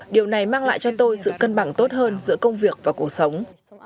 điều này mang lại cho tôi sự cân bằng tốt hơn giữa công việc và cuộc sống